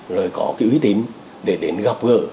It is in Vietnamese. rồi có cái uy tín để đến gặp gỡ